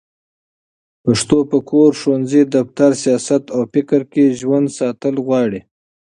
پښتو په کور، ښوونځي، دفتر، سیاست او فکر کې ژوندي ساتل غواړي